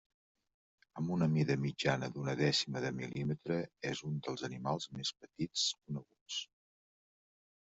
Amb una mida mitjana d'una dècima de mil·límetre és un dels animals més petits coneguts.